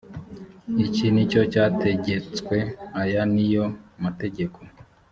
iki ni cyo cyategetswe aya ni yo mategeko